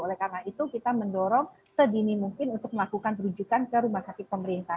oleh karena itu kita mendorong sedini mungkin untuk melakukan rujukan ke rumah sakit pemerintah